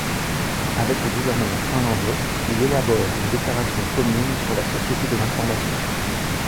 Avec le gouvernement finlandais, il élabore une déclaration commune sur la société de l’information.